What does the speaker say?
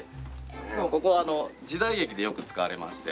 しかもここは時代劇でよく使われまして。